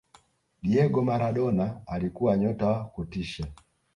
diego maradona alikuwa nyota wa kutisha